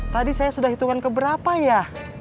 tadi saya sudah hitungan keberapa ya